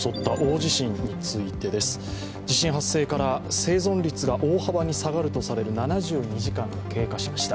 地震発生から生存率が大幅に下がると言われる７２時間が経過しました。